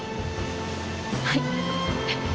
はい。